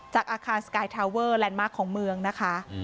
อาคารสกายทาเวอร์แลนดมาร์คของเมืองนะคะ